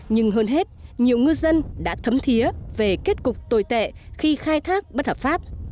nhưng hơn hết nhiều ngư dân đã thấm thiế về kết cục tồi tệ khi khai thác bất hợp pháp